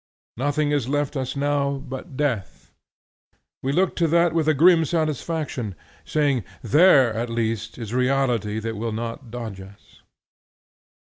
Nothing is left us now but death. We look to that with a grim satisfaction, saying There at least is reality that will not dodge us.